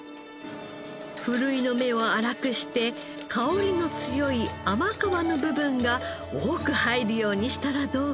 ふるいの目を粗くして香りの強い甘皮の部分が多く入るようにしたらどうか？